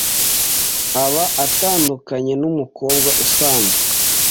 aba atandukanye n’umukobwa usanzwe